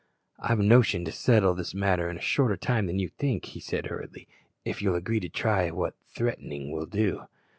"I've a notion that I'll settle this matter in a shorter time than you think," he said hurriedly, "if you'll agree to try what threatening will do."